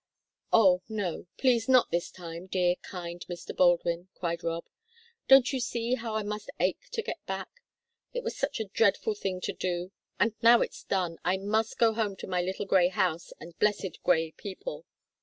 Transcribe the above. "Oh, no; please not this time, dear, kind Mr. Baldwin," cried Rob. "Don't you see how I must ache to get back? It was such a dreadful thing to do, and now it's done, I must go home to my little grey house and blessed Grey people."